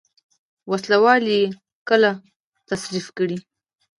وسله وال یې کله تصرف کړي.